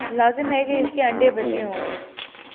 لازم ہے کہ اس کے انڈے بچے ہوں۔